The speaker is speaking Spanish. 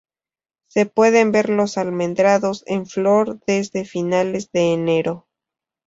Se pueden ver los almendros en flor desde finales de enero.